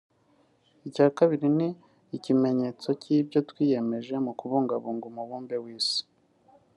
Icya kabiri ni ni ikimenyetso cy’ibyo twiyemeje mu kubungabunga umubumbe w’isi